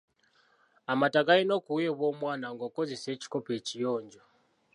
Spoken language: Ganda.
Amata galina okuweebwa omwana ng'okozesa ekikopo ekiyonjo.